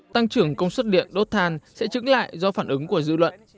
tăng trưởng công suất điện đốt thàn sẽ chứng lại do phản ứng của dự luận